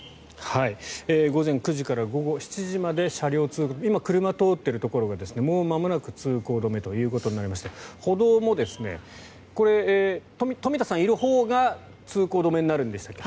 午前９時から午後７時まで今、車が通っているところがもうまもなく通行止めということになりまして歩道も、冨田さんがいるほうが通行止めになるんでしたっけ？